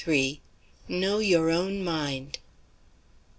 Know Your Own Mind.